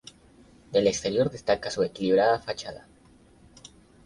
Del exterior destaca su equilibrada fachada.